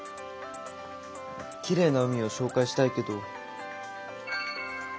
きれいな海を紹介したいけど。